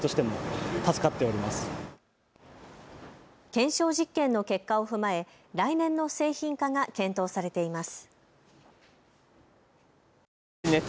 検証実験の結果を踏まえ来年の製品化が検討されています。